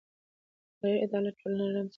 اداري عدالت ټولنه ارامه ساتي